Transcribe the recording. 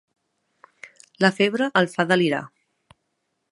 La febre el fa delirar.